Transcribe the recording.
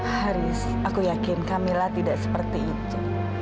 haris aku yakin camilla tidak seperti itu